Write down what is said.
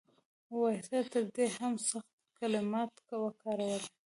وایسرا تر دې هم سخت کلمات وکارول.